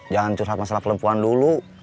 jangan curhat masalah perempuan dulu